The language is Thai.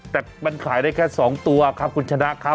แต่มันขายได้แค่๒ตัวครับคุณชนะครับ